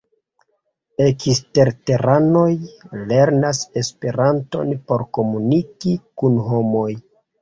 Eksterteranoj lernas Esperanton por komuniki kun homoj.